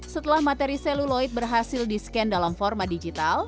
setelah materi seluloid berhasil di scan dalam format digital